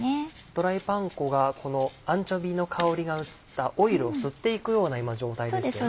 ドライパン粉がこのアンチョビーの香りが移ったオイルを吸っていくような今状態ですよね。